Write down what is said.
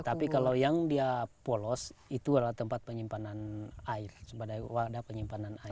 tapi kalau yang dia polos itu adalah tempat penyimpanan air sebagai wadah penyimpanan air